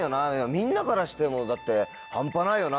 みんなからしてもだって半端ないよな